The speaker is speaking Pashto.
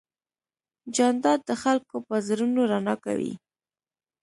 جانداد د خلکو په زړونو رڼا کوي.